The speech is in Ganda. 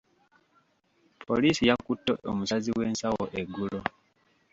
Poliisi yakutte omusazi w'ensawo eggulo.